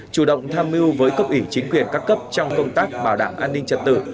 chủ động tham mưu với cấp ủy chính quyền các cấp trong công tác bảo đảm an ninh trật tự